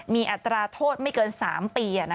มีอัตราโทษไม่เกิน๓ปี